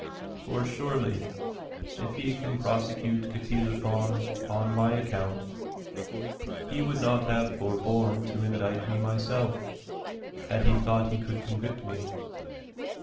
For surely, if he can prosecute Ctesiphon on my account, he would not have forborne to indict me myself, had he thought he could convict me.